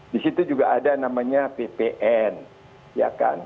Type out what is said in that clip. di situ juga ada namanya ppn ya kan